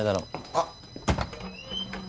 あっ。